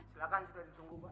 silahkan kita disungguh buat